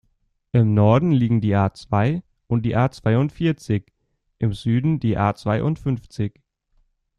Im Norden liegen die A-zwei und die A-zweiundvierzig, im Süden die A-zweiundfünfzig.